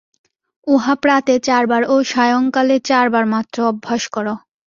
উহা প্রাতে চার বার ও সায়ংকালে চার বার মাত্র অভ্যাস কর।